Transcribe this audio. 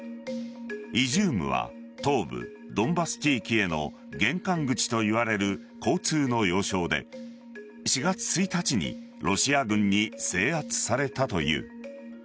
イジュームは東部・ドンバス地域への玄関口といわれる交通の要衝で４月１日にロシア軍に制圧されたという。